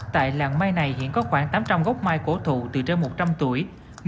tại làng mai này hiện có khoảng tám trăm linh gốc mai cổ thụ từ trên một trăm linh tuổi